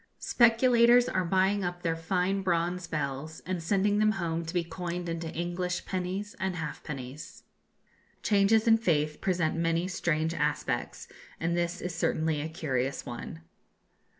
Speculators are buying up their fine bronze bells, and sending them home to be coined into English pennies and halfpennies. Changes in faith present many strange aspects, and this is certainly a curious one.